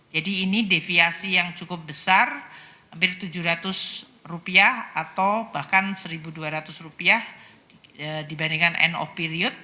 jadi ini deviasi yang cukup besar hampir tujuh ratus rupiah atau bahkan satu dua ratus rupiah dibandingkan end of period